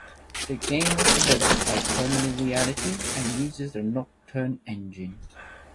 The game was developed by Terminal Reality and uses the Nocturne Engine.